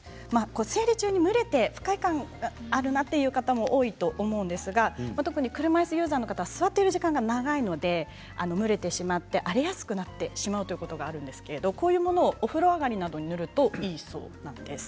生理中に蒸れて不快感があるなという方も多いと思うんですが特に車いすユーザーの方は座っている時間が長いので蒸れてしまって荒れやすくなってしまうということがあるんですけどこういうものをお風呂上がりなどに塗るといいそうです。